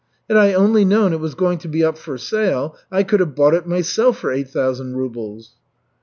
Had I only known it was going to be up for sale, I could have bought it myself for eight thousand rubles."